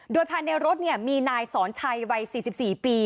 โดยภายในรถมีนายสอนชัยวัย๔๔ปี